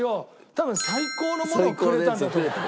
多分最高の物をくれたんだと思う。